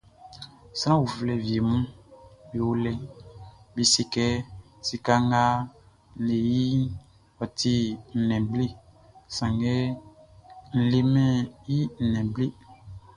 Sran uflɛ wieʼm be o lɛʼn, be se kɛ sika nga n le iʼn, ɔ ti nnɛn ngble, sanngɛ n lemɛn i nnɛn ngble.